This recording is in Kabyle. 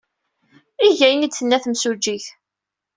Eg ayen ay d-tenna temsujjit.